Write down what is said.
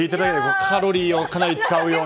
カロリーをかなり使うような。